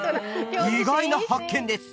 意外な発見です